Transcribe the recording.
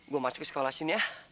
gua masuk ke sekolah sini ya